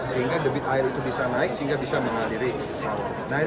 sehingga debit air itu bisa naik sehingga bisa mengaliri sawah